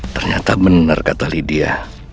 ternyata benar kata lydia